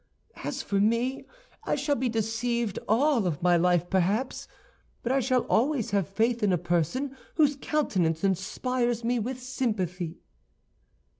As for me, I shall be deceived all my life perhaps, but I shall always have faith in a person whose countenance inspires me with sympathy."